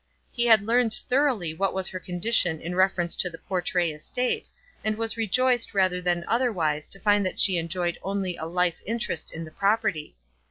He had learned thoroughly what was her condition in reference to the Portray estate, and was rejoiced rather than otherwise to find that she enjoyed only a life interest in the property.